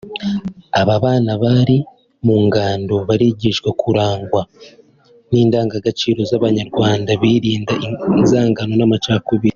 Aba bana bari mu ngando barigishwa kurangwa n’indangagaciro z’Abanyarwanda birinda inzangano n’amacakubiri